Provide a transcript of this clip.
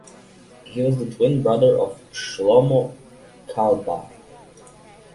He was the twin brother of Shlomo Carlebach.